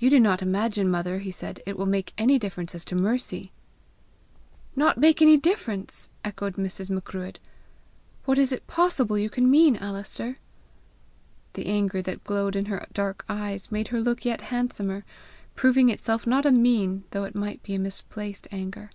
"You do not imagine, mother," he said, "it will make any difference as to Mercy?" "Not make any difference!" echoed Mrs. Macruadh. "What is it possible you can mean, Alister?" The anger that glowed in her dark eyes made her look yet handsomer, proving itself not a mean, though it might be a misplaced anger.